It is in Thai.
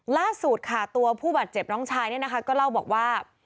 ล่าสุดค่ะตัวผู้บาดเจ็บน้องชายเนี่ยนะคะก็เล่าบอกว่า